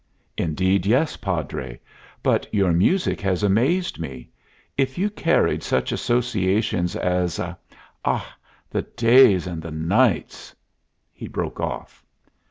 "Indeed, yes, Padre. But your music has amazed me. If you carried such associations as Ah! the days and the nights!" he broke off.